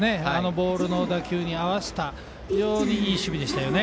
ボールの打球に合わせた非常にいい守備でしたよね。